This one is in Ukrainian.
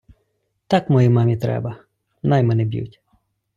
Так моїй мамі треба: най мене б'ють.